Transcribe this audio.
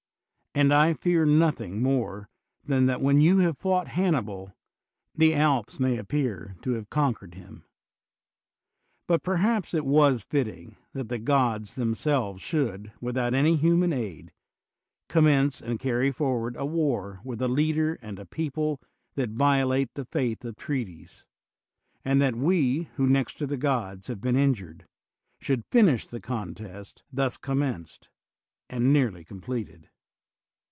And I fear nothing more than that when you have fought Hannibal the Alps may appear to have conquered him. But perhaps it was fitting that the gods themselves should, without any human aid, commence and carry forward a war with a leader and a people that violate the faith of treaties; and that we, who next to the gods have been injured, should finish the contest thus commenced and nearly completed.